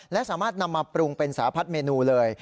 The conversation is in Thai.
และสามารถนำมาปรุงเป็นสาพัดเมนูเลย